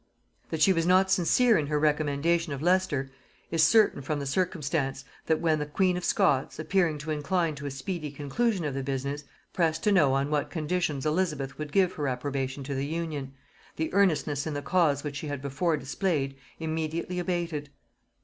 That she was not sincere in her recommendation of Leicester is certain from the circumstance, that when the queen of Scots, appearing to incline to a speedy conclusion of the business, pressed to know on what conditions Elizabeth would give her approbation to the union, the earnestness in the cause which she had before displayed immediately abated.